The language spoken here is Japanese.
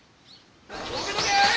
どけどけ！